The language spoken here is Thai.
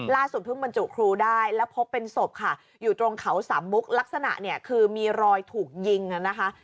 เพิ่งบรรจุครูได้แล้วพบเป็นศพค่ะอยู่ตรงเขาสามมุกลักษณะเนี่ยคือมีรอยถูกยิงอ่ะนะคะ